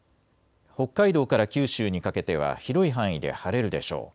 北海道から九州にかけては広い範囲で晴れるでしょう。